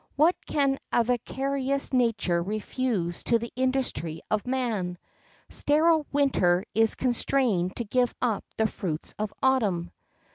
"What can avaricious nature refuse to the industry of man? Sterile winter is constrained to give up the fruits of autumn."